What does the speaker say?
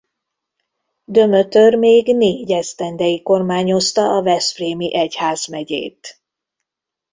Dömötör még négy esztendeig kormányozta a veszprémi egyházmegyét.